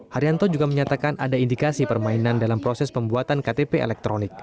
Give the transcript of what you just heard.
haryanto juga menyatakan ada indikasi permainan dalam proses pembuatan ktp elektronik